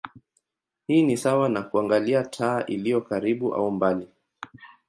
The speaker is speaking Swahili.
Hii ni sawa na kuangalia taa iliyo karibu au mbali.